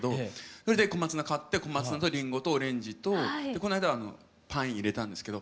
それで小松菜買って小松菜とリンゴとオレンジとこの間はパイン入れたんですけど。